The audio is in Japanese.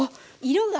色が。